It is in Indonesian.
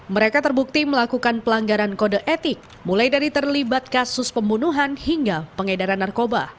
mereka terbukti melakukan pelanggaran kode etik mulai dari terlibat kasus pembunuhan hingga pengedaran narkoba